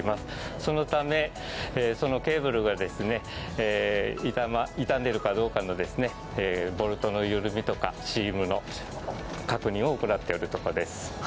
そのめ、そのケーブルが傷んでいるかどうか、ボルトの緩みとかシームの確認を行っているところです。